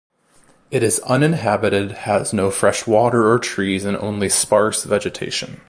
It is uninhabited, has no fresh water or trees and only sparse vegetation.